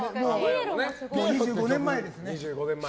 ２５年前ですね。